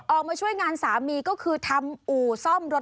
ออกมาช่วยงานสามีก็คือทำอู่ซ่อมรถ